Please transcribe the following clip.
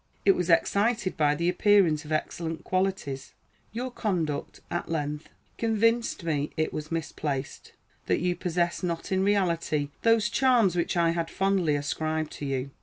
It was excited by the appearance of excellent qualities. Your conduct, at length, convinced me it was misplaced; that you possessed not in reality those charms which I had fondly ascribed to you.